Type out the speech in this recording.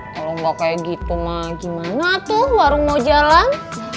kalau nggak kayak gitu mah gimana tuh warung mau jalan